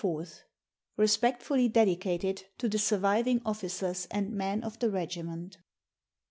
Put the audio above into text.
_ RESPECTFULLY DEDICATED TO THE SURVIVING OFFICERS AND MEN OF THE REGIMENT.